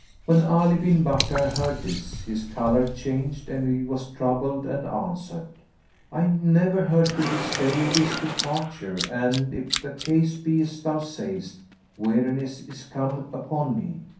When Ali bin Bakkar heard this, his colour changed and he was troubled and answered, "I never heard till this day of his departure and, if the case be as thou sayest, weariness is come upon me."